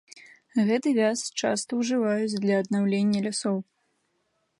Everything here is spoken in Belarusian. Гэты вяз часта ўжываюць для аднаўлення лясоў.